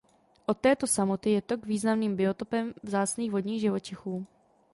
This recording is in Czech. Od této samoty je tok významným biotopem vzácných vodních živočichů.